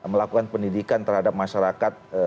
melakukan pendidikan terhadap masyarakat